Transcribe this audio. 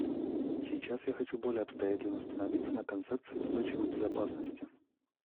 Сейчас я хочу более обстоятельно остановиться на концепции "устойчивой безопасности".